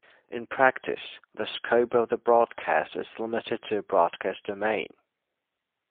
In practice, the scope of the broadcast is limited to a broadcast domain.